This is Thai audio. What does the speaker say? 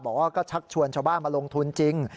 บอกว่าก็ชักชวนชาวบ้านมาลงทุนจริง